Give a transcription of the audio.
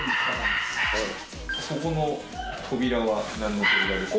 そこの扉は何の扉ですか？